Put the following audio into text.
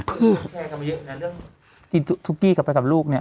คือแฟนกันมาเยอะนะเรื่องกินทุกกี้กลับไปกับลูกเนี่ย